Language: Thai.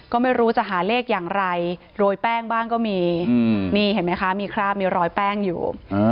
ก็ไม่รู้จะหาเลขอย่างไรโรยแป้งบ้างก็มีนี่เห็นไหมคะมีคราบมีรอยแป้งอยู่